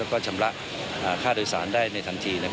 แล้วก็ชำระค่าโดยสารได้ในทันที